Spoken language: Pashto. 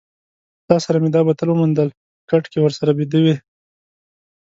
له تا سره مې دا بوتل وموندل، په کټ کې ورسره بیده وې.